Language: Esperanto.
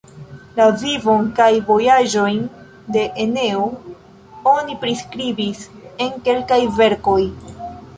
La vivon kaj vojaĝojn de Eneo oni priskribis en kelkaj verkoj.